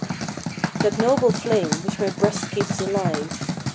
That noble flame, which my Ijreast keeps alive.